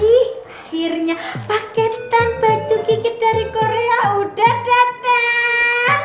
akhirnya paketan baju gigit dari korea udah datang